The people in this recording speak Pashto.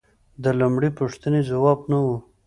د لومړۍ پوښتنې ځواب نه و